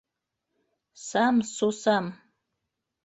Сам с усам!